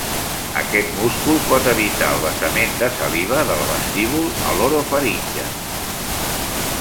Aquest múscul pot evitar el vessament de saliva del vestíbul a l'orofaringe.